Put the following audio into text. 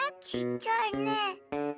ちっちゃいね。